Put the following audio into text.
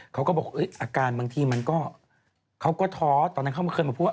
เขาก็บอกอาการบางทีมันก็เขาก็ท้อตอนนั้นเขาไม่เคยมาพูดว่า